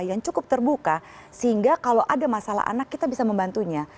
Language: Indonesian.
dan cukup terbuka sehingga kalau ada masalah anak kita bisa membantunya